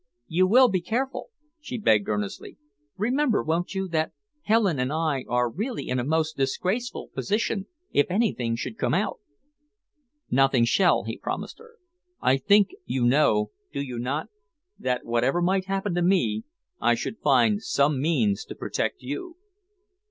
"You will be careful?" she begged earnestly. "Remember, won't you, that Helen and I are really in a most disgraceful position if anything should come out." "Nothing shall," he promised her. "I think you know, do you not, that, whatever might happen to me, I should find some means to protect you."